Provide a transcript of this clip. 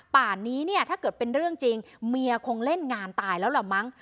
ป่านนี้เนี่ยถ้าเกิดเป็นเรื่องจริงเมียคงเล่นงานตายแล้วล่ะมั้ง